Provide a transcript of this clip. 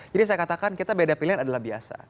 jadi saya katakan kita beda pilihan adalah biasa